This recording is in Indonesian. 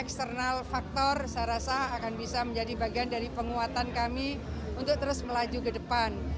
eksternal faktor saya rasa akan bisa menjadi bagian dari penguatan kami untuk terus melaju ke depan